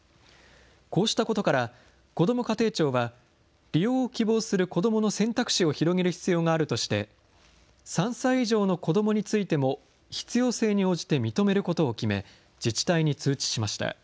こうしたことから、こども家庭庁は利用を希望する子どもの選択肢を広げる必要があるとして、３歳以上の子どもについても必要性に応じて認めることを決め、自治体に通知しました。